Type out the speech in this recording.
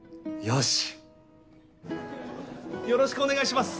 よろしくお願いします